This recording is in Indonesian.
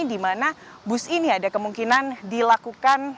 di mana bus ini ada kemungkinan dilakukan